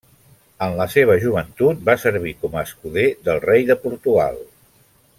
En la seva joventut va servir com a escuder del rei de Portugal.